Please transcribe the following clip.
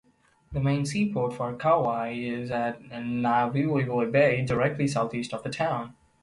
The main seaport for Kauai is at Nawiliwili Bay, directly southeast of town.